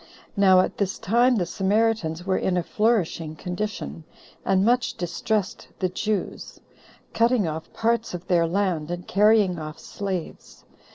Now at this time the Samaritans were in a flourishing condition, and much distressed the Jews, cutting off parts of their land, and carrying off slaves.